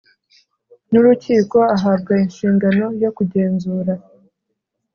n urukiko ahabwa inshingano yo kugenzura